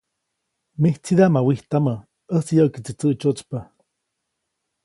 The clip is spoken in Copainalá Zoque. ‒Mijtsidaʼm ma wijtamä, ʼäjtsi yäʼkiʼtsi tsäʼtsyäʼtspa-.